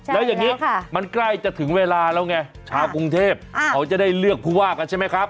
แล้วอย่างนี้มันใกล้จะถึงเวลาแล้วไงชาวกรุงเทพเขาจะได้เลือกผู้ว่ากันใช่ไหมครับ